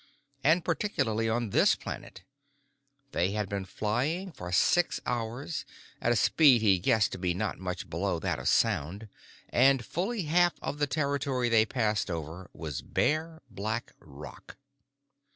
And particularly on this planet. They had been flying for six hours, at a speed he guessed to be not much below that of sound, and fully half of the territory they passed over was bare, black rock.